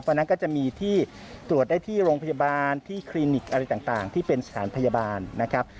เพราะฉะนั้นก็จะมีที่ตรวจได้ที่โรงพยาบาลที่คลินิกอะไรต่างที่เป็นสถานพยาบาลนะครับ